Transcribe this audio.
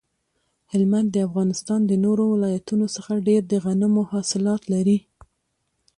هلمند د افغانستان د نورو ولایتونو څخه ډیر د غنمو حاصلات لري